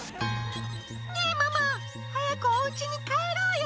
「ねぇママ早くお家に帰ろうよ」